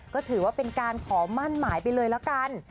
ก็ถือว่าเป็นการขอมั่นหมายไปเลยละกัน